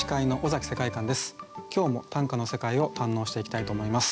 今日も短歌の世界を堪能していきたいと思います。